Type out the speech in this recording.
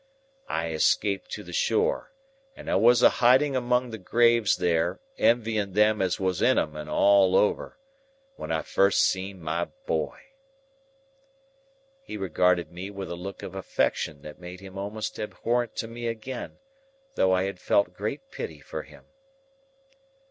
I escaped to the shore, and I was a hiding among the graves there, envying them as was in 'em and all over, when I first see my boy!" He regarded me with a look of affection that made him almost abhorrent to me again, though I had felt great pity for him.